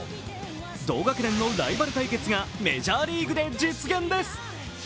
同学年のライバル対決がメジャーリーグで実現です。